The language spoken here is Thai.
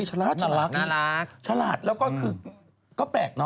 เยอะ